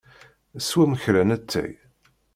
Swem kra n ttay.